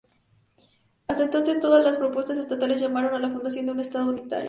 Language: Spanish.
Hasta entonces, todas las propuestas estatales llamaron a la fundación de un estado unitario.